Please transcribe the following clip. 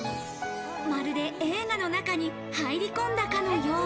まるで映画の中に入り込んだかのよう。